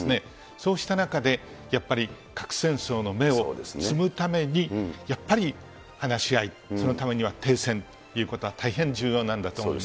そうした中で、やっぱり核戦争の芽を摘むために、やっぱり話し合い、そのためには停戦ということは、大変重要なんだと思います。